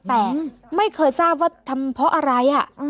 แต่ไม่เคยทราบว่าทำเพราะอะไร